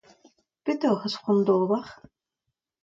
Petra hoc'h eus c'hoant da ober ?